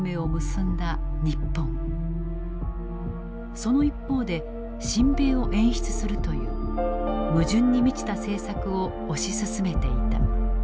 その一方で親米を演出するという矛盾に満ちた政策を推し進めていた。